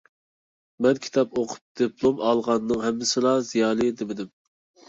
مەن كىتاب ئوقۇپ دىپلوم ئالغاننىڭ ھەممىسىلا زىيالىي دېمىدىم.